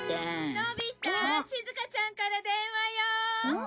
のび太しずかちゃんから電話よ。